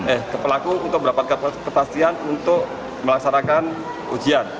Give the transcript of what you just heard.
eh ke pelaku untuk mendapatkan kepastian untuk melaksanakan ujian